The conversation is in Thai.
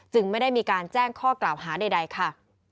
ไม่ได้มีการแจ้งข้อกล่าวหาใดค่ะ